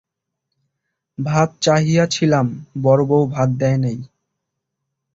ভাত চাহিয়াছিলাম বড়োবউ ভাত দেয় নাই।